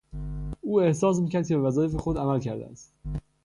او احساس میکرد که به وظایف خود عمل کرده است.